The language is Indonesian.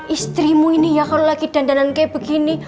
istrimu ini ya kalau lagi dandanan kayak begini